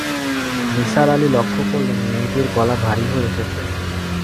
নিসার আলি লক্ষ করলেন, মেয়েটির গলা ভারি হয়ে এসেছে।